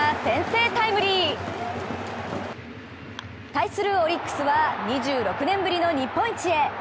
対するオリックスは２６年ぶりの日本一へ。